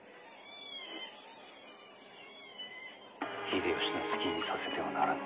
秀吉の好きにさせてはならぬ。